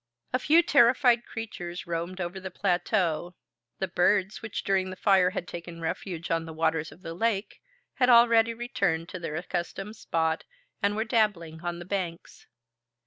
A few terrified creatures roamed over the plateau. The birds, which during the fire had taken refuge on the waters of the lake, had already returned to their accustomed spot, and were dabbling on the banks.